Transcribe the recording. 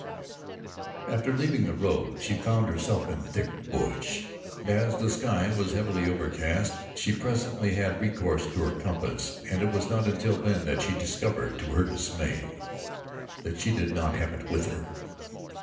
After leaving the road she found herself in thick bush and as the sky was heavily overcast she presently had recourse to her compass and it was not until then that she discovered to her dismay that she did not have it with her.